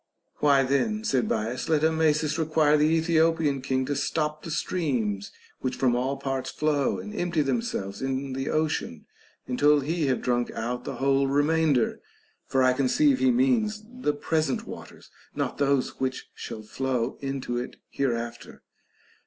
Why then, said Bias, let Amasis require the Ethiopian king to stop the streams which from all parts flow and empty themselves in the ocean, until he have drunk out the whole remainder ; for I conceive he means the present waters, not those which shall flow into it here after.